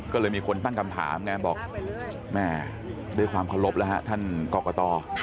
ก็เลยมีคนตั้งคำถามไงบอกแม่ด้วยความเคารพแล้วฮะท่านกรกต